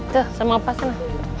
tuh sama opasnya